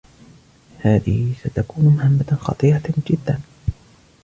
هذه ستكون مهمة خطيرة جداً.